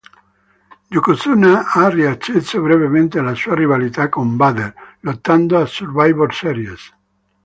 Yokozuna ha riacceso brevemente la sua rivalità con Vader, lottando a Survivor Series.